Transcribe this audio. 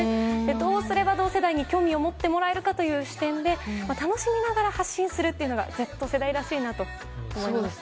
どうすれば同世代に興味を持ってもらえるかという視点で楽しみながら発信するというのがＺ世代らしいなと思いました。